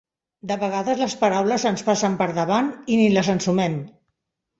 De vegades les paraules ens passen per davant i ni les ensumem.